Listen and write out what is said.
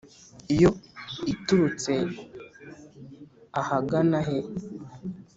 yo iturutse ahagana he’”